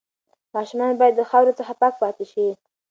ماشومان باید د خاورو څخه پاک پاتې شي.